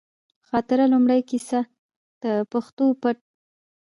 خاطره، لومړۍ کیسه ، د پښتو پت